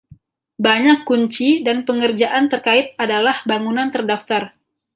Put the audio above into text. Banyak kunci dan pengerjaan terkait adalah bangunan terdaftar.